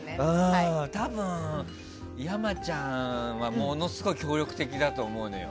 多分、山ちゃんはものすごい協力的だと思うのよ。